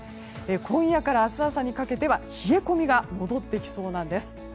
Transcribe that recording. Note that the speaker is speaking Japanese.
今夜から明日朝にかけては冷え込みが戻ってきそうなんです。